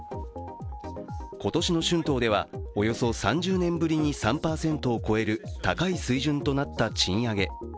今年の春闘ではおよそ３０年ぶりに３％を超える高い水準となった賃上げ。